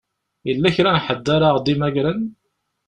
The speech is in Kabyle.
Yella kra n ḥedd ara ɣ-d-imagren?